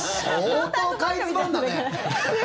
相当かいつまんだね。